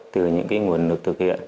từ những nguồn lực thực hiện